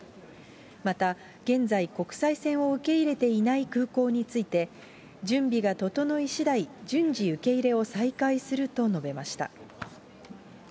また、現在、国際線を受け入れていない空港について、準備が整いしだい、順次、受け入れを再開すると述べました。